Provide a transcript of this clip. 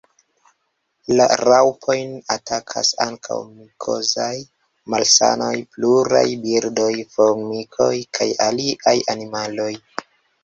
La raŭpojn atakas ankaŭ mikozaj malsanoj, pluraj birdoj, formikoj kaj aliaj animaloj.